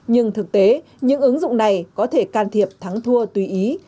nhưng thực tế những ứng dụng này có thể can thiệp thắng thua tùy ý